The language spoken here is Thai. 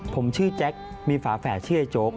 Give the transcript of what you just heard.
ผมชื่อแจ็คมีฝาแฝดชื่อไอ้โจ๊ก